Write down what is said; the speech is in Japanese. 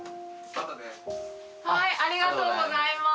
はい。